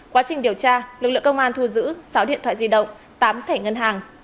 quá trình điều tra lực lượng công an thu giữ sáu điện thoại di động tám thẻ ngân hàng